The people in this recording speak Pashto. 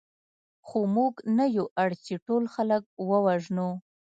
خو موږ نه یو اړ چې ټول خلک ووژنو